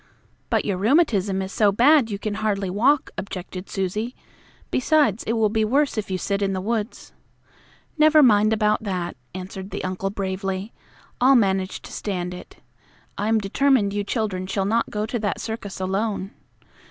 "But your rheumatism is so bad you can hardly walk," objected Susie. "Besides, it will be worse if you sit in the woods." "Never mind about that," answered the uncle bravely. "I'll manage to stand it. I am determined you children shall not go to that circus alone.